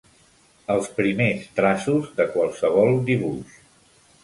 Els primers traços de qualsevol dibuix.